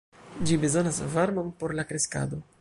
Ĝi bezonas varmon por la kreskado.